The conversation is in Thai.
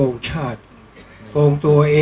ก็ต้องทำอย่างที่บอกว่าช่องคุณวิชากำลังทำอยู่นั่นนะครับ